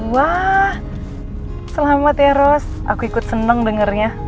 wah selamat ya ros aku ikut seneng dengernya